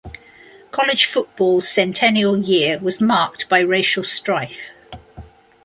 College football's centennial year was marked by racial strife.